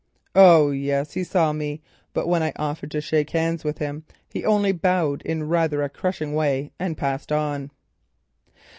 "Oh yes, he saw me, but when I offered to shake hands with him he only bowed in rather a crushing way and passed on."